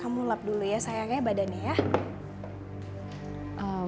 kamu lap dulu ya sayangnya badannya ya